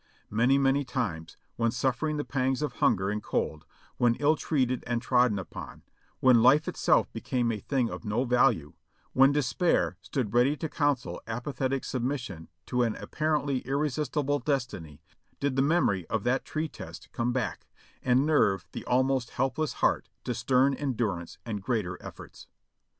Many, many times, when suffering the pangs of hunger and cold; when ill treated and trodden on; when life itself became a thing of no value; when despair stood ready to counsel apa thetic submission to an apparently irresistible destiny, did the memory of that tree test come back, and nerve the almost help less heart to stern endurance and greater efforts.